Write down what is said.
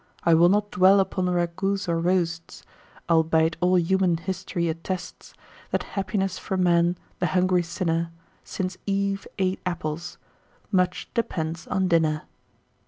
I will not dwell upon ragouts or roasts, Albeit all human history attests That happiness for man the hungry sinner! Since Eve ate apples, much depends on dinner."